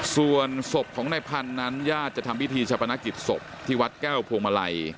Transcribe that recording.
ส่วนศพในพันนั้นญาติจะทำวิธีชะปนกิจศพที่วัดแก้วโพงมาลัย